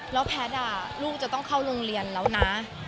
แล้วแพทย์ลูกจะต้องเข้าโรงเรียนแล้วนะ